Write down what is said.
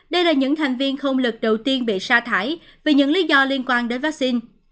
đây là những thành viên không lực đầu tiên bị sa thải vì những lý do liên quan đến vaccine